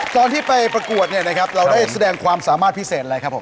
ตอนที่ไปประกวดเนี่ยนะครับเราได้แสดงความสามารถพิเศษอะไรครับผม